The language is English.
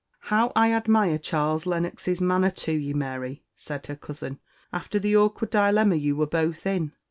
"How I admire Charles Lennox's manner to you, Mary," said her cousin, "after the awkward dilemma you were both in.